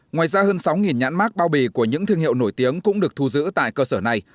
ngoài ra hơn sáu nhãn mát bao bì của những thương hiệu nổi tiếng cũng được thu giữ tại cơ sở này